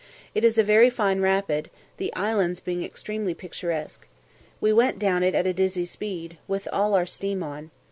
It is a very fine rapid, the islands being extremely picturesque. We went down it at dizzy speed, with all our steam on.